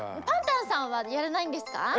パンタンさんはやらないんですか？